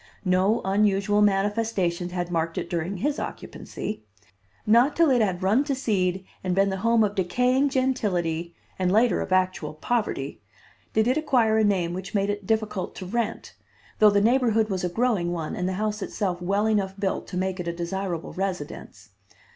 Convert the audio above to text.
No unusual manifestations had marked it during his occupancy. Not till it had run to seed and been the home of decaying gentility, and later of actual poverty, did it acquire a name which made it difficult to rent, though the neighborhood was a growing one and the house itself well enough built to make it a desirable residence.